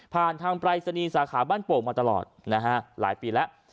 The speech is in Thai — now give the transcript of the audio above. ทางปรายศนีย์สาขาบ้านโป่งมาตลอดนะฮะหลายปีแล้ว